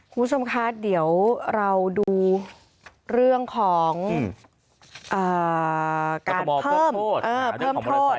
คุณผู้ชมคะเดี๋ยวเราดูเรื่องของการเพิ่มโทษ